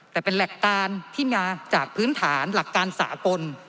แต่เป็นหลักการที่มาจากพื้นฐานหลักการสากล